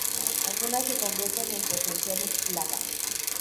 Algunas se convierten en potenciales plagas.